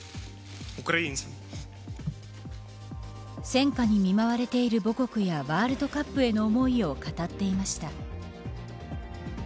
戦禍に見舞われている母国やワールドカップへの思いを語っていました。